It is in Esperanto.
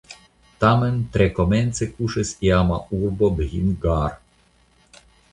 Tamen tre komence kuŝis iama urbo Bhingar.